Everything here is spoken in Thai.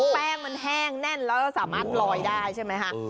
แป้งมันแห้งแน่นแล้วสามารถลอยได้ใช่ไหมคะ